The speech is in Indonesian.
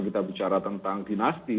kita bicara tentang dinasti